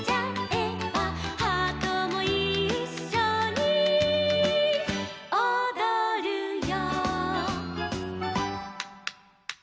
「ハートもいっしょにおどるよ」